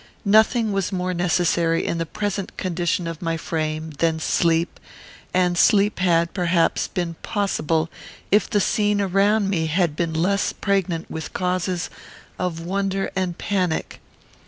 Nothing was more necessary, in the present condition of my frame; than sleep; and sleep had, perhaps, been possible, if the scene around me had been less pregnant with causes of wonder and panic.